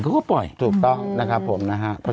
เจปุนก็ก็ปล่อย